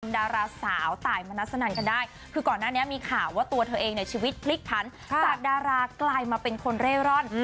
ดาราสาวตายมณัสนันกันได้คือก่อนหน้านี้มีข่าวว่าตัวเธอเองเนี่ยชีวิตพลิกผันจากดารากลายมาเป็นคนเร่ร่อน